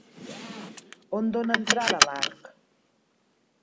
On dona entrada l'arc?